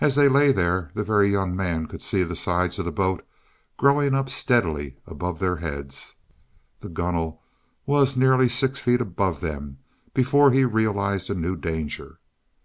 As they lay there, the Very Young Man could see the sides of the boat growing up steadily above their heads. The gunwale was nearly six feet above them before he realized a new danger.